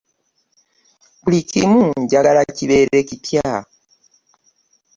Buli kimu njagala kibeere kipya.